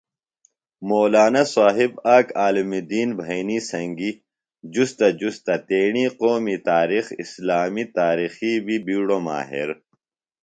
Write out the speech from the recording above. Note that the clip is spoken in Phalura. مولانا صاحب آک عالم دین بھئنی سنگیۡ جُستہ جُستہ تیݨی قومی تاریخ ، اسلامی تاریخی بی بیڈوۡ ماہر